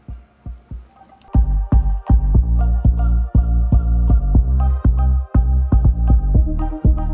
masakan asam pedas ikan tapah